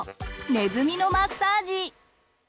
「ネズミのマッサージ」。